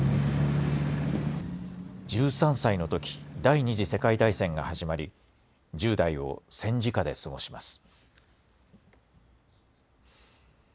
１３歳のとき、第２次世界大戦が始まり、１０代を戦時下で過ごします。